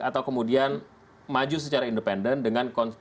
atau kemudian maju secara independen dengan dalam tanda pandangan